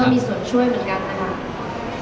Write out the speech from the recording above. มีส่วนช่วยเหมือนกันนะคะ